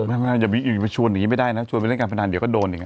ไม่ไม่ไม่อย่าไปชวนอย่างงี้ไม่ได้นะชวนไปเล่นกันไปนานเดี๋ยวก็โดนอย่างเงี้ย